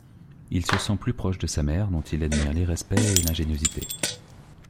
Il se sent plus proche de sa mère dont il admire l'irrespect et l'ingéniosité.